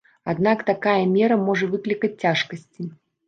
Аднак такая мера можа выклікаць цяжкасці.